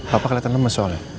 papa kelihatan lemes soalnya